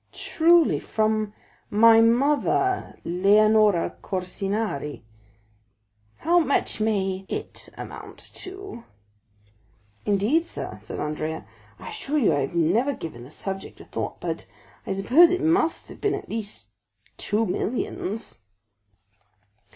"Truly, from my mother, Leonora Corsinari." "How much may it amount to?" "Indeed, sir," said Andrea, "I assure you I have never given the subject a thought, but I suppose it must have been at least two millions."